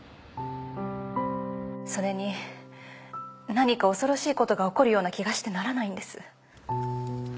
それに何か恐ろしい事が起こるような気がしてならないんです。